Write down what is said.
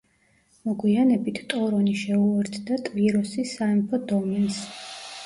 მოგვიანებით ტორონი შეუერთდა ტვიროსის სამეფო დომენს.